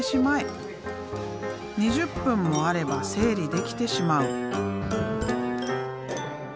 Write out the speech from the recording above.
２０分もあれば整理できてしまう。